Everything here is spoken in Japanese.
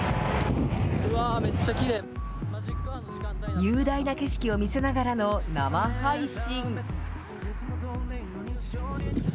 雄大な景色を見せながらの生配信。